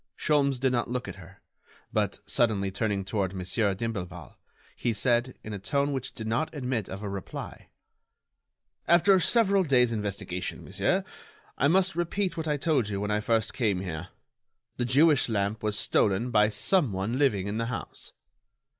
Sholmes did not look at her, but, suddenly turning toward Monsieur d'Imblevalle, he said, in a tone which did not admit of a reply: "After several days' investigation, monsieur, I must repeat what I told you when I first came here: the Jewish lamp was stolen by some one living in the house."